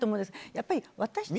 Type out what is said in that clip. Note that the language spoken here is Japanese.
やっぱり、私たち。